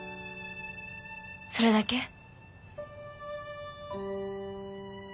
それだけ？